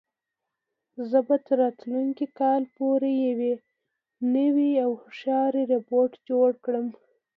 زه به تر راتلونکي کال پورې یو نوی او هوښیار روبوټ جوړ کړم.